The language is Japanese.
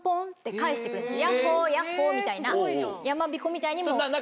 ヤッホヤッホみたいな山びこみたいに。